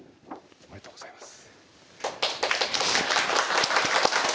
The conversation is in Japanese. おめでとうございます。